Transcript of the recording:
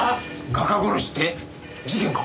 画家殺しって事件か？